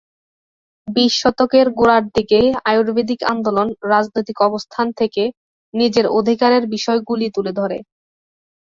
বিশ শতকের গোড়ার দিকে আয়ুর্বেদিক আন্দোলন রাজনৈতিক অবস্থান থেকে নিজের অধিকারের বিষয়গুলি তুলে ধরে।